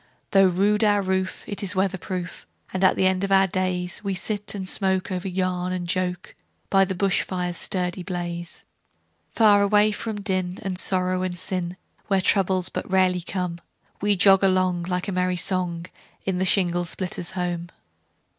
Though rude our roof, it is weather proof, And at the end of the daysWe sit and smoke over yarn and joke, By the bush fire's sturdy blaze. For away from din, and sorrow and sin, Where troubles but rarely come, We jog along, like a merry song, In the shingle splitter's home.